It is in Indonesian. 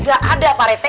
nggak ada pak rete